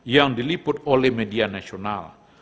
yang diliput oleh media nasional